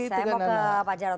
saya mau ke pak jarod